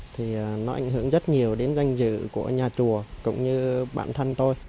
thì nó ảnh hưởng rất nhiều đến danh dự của nhà chùa cũng như bản thân tôi